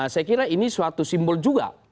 saya kira ini suatu simbol juga